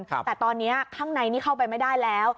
แต่ตอนนี้ข้างในนี่เข้าไปไม่ได้แล้ว